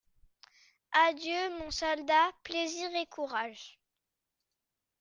Adieu, mon soldat, plaisir et courage…